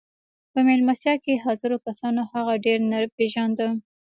په مېلمستيا کې حاضرو کسانو هغه ډېر نه پېژانده.